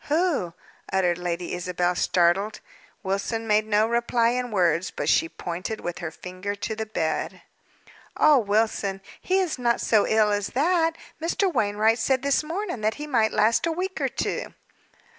"Who?" uttered Lady Isabel, startled. Wilson made no reply in words, but she pointed with her finger to the bed. "Oh, Wilson, he is not so ill as that. Mr. Wainwright said this morning, that he might last a week or two."